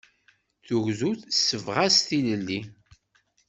Tugdut tessebɣas tilelli.